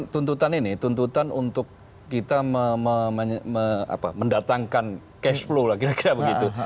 tuntutan ini tuntutan untuk kita mendatangkan cash flow lah kira kira begitu